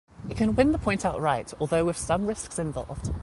It can win the point outright, although with some risks involved.